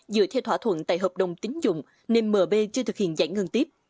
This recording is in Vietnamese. dựa theo thỏa thuận tại hợp đồng tính dụng nên mb chưa thực hiện giải ngân tiếp